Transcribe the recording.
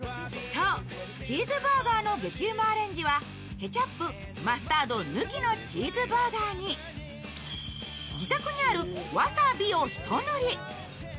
そう、チーズバーガーの激うまアレンジはケチャップ、マスタード抜きのチーズバーガーに自宅にあるわさびを一塗り。